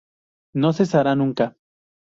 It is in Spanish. No cesará nunca".